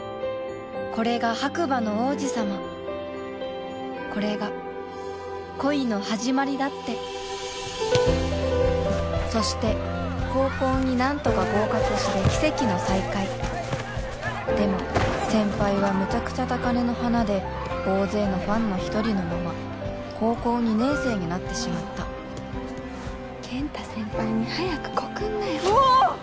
これが白馬の王子様これが恋の始まりだってそして高校に何とか合格して奇跡の再会でも先輩はむちゃくちゃ高嶺の花で大勢のファンの一人のまま高校２年生になってしまった健太先輩に早く告んなようわっ！